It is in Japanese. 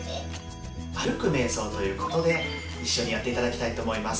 歩くめい想ということで一緒にやって頂きたいと思います。